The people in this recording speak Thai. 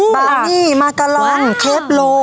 บานี่มากาลังเคปโล